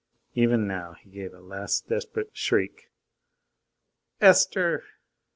Even now he gave a last desperate shriek: "Esther!"